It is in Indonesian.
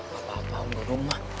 gapapa om dudung mah